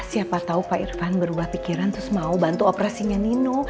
siapa tahu pak irfan berubah pikiran terus mau bantu operasinya nino